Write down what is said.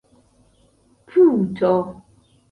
puto